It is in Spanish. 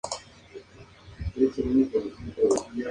Mexico: Diana.